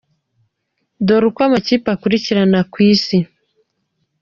Dore uko amakipe akurikirana ku isi:.